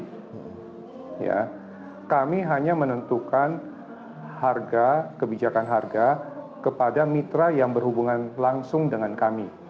karena kami hanya menentukan harga kebijakan harga kepada mitra yang berhubungan langsung dengan kami